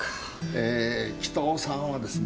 えー北尾さんはですね